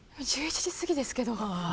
１１時すぎですけどあ